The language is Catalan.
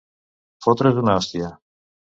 Fotre's una hòstia.